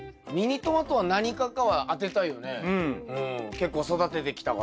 結構育ててきたから。